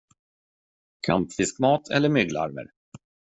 Kampfiskmat eller mygglarver.